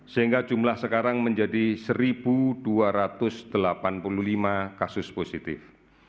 sehingga jumlah sekarang menjadi satu dua ratus delapan puluh lima kasus positif